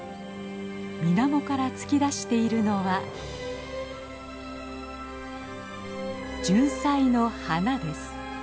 水面から突き出しているのはジュンサイの花です。